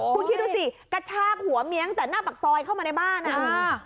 คุณคิดดูสิกระชากหัวเมียงแต่หน้าปากซอยเข้ามาในบ้านอ่ะ